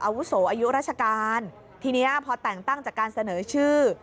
อาวุโสอายุราชการทีนี้พอแต่งตั้งจากการเสนอชื่อ